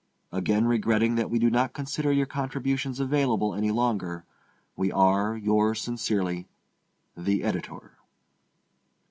Again regretting that we do not consider your contributions available any longer, we are, yours sincerely, THE EDITOR.